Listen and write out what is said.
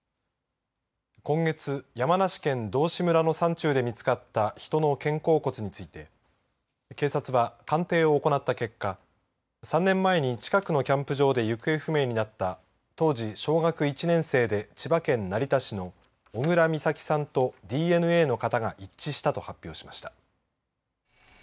今月山梨県道志村の山中で見つかった人の肩甲骨について警察は鑑定を行った結果３年前に近くキャンプ場で行方不明になった当時小学１年生で千葉県成田市の小倉美咲さんとＤＮＡの型が一致したと発表しました。